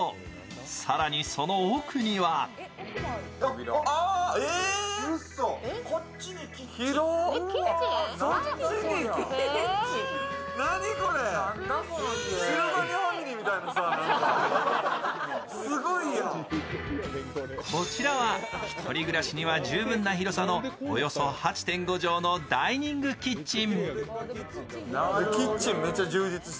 更にその奥にはこちらは１人暮らしには十分な広さのおよそ８．５畳のダイニングキッチン